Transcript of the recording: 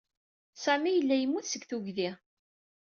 Sami yella yemmut seg tuggdi.